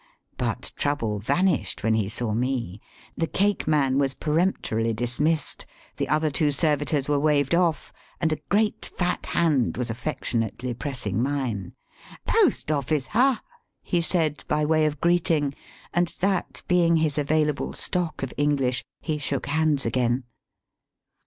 But trouble vanished when he saw me. The cakeman was peremptorily dismissed, the other two servitors were waved off, and a great fat hand was affectionately pressing mine. " Post office, ha !" he said by way of greet Digitized by VjOOQIC 268 EAST BY WEST, ing, and that being his available stock of English he shook hands again.